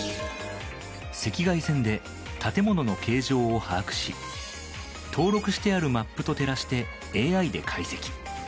赤外線で建物の形状を把握し登録してあるマップと照らしてＡＩで解析。